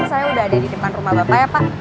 saya udah ada di depan rumah bapak ya pak